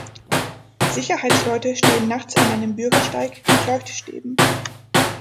Sicherheitsleute stehen nachts an einem Bürgersteig mit Leuchtstäben.